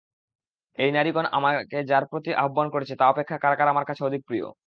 এই নারীগণ আমাকে যার প্রতি আহ্বান করছে তা অপেক্ষা কারাগার আমার কাছে অধিক প্রিয়।